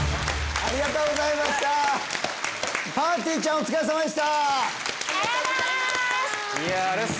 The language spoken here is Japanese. ありがとうございます。